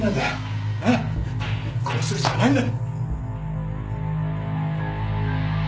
こうするしかないんだ。